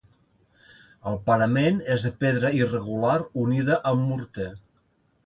El parament és de pedra irregular unida amb morter.